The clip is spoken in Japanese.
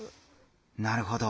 なるほど。